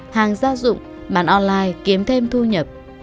hàng gia dụng bán online kiếm thêm thu nhập